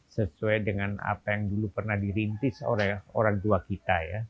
sesuai dengan apa yang dulu pernah dirintis oleh orang tua kita ya